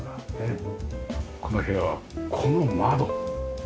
この部屋はこの窓。